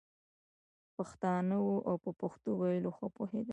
پښتانه وو او په پښتو ویلو ښه پوهېدل.